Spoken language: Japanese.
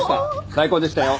最高でしたよ。